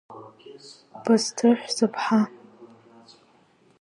Бысҭыҳә, сыԥҳа!